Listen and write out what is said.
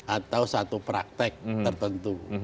atau satu praktek tertentu